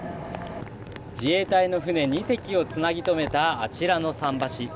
自衛隊の船２隻をつなぎとめたあちらの桟橋。